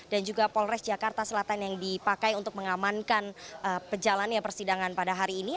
dan juga polres jakarta selatan yang dipakai untuk mengamankan pejalanan persidangan pada hari ini